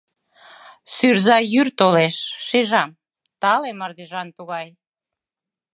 Сӱрза йӱр толеш, шижам: Тале мардежан тугай.